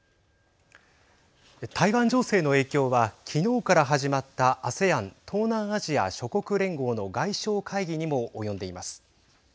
台湾情勢の影響は昨日から始まったＡＳＥＡＮ＝東南アジア諸国連合の外相会議にも及んでいます。